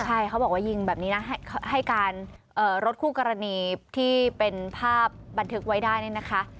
ใช่เขาบอกว่ายิงแบบนี้นะให้การรถคู่กรณีที่เป็นภาพบันทึกไว้ได้เนี่ยนะคะ